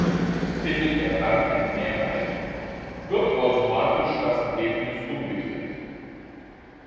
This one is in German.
Findet er dann eine Mehrheit, wird automatisch das Ergebnis umgedreht.